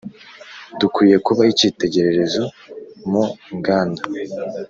Dukwiye kuba icyitegererezo mu inganda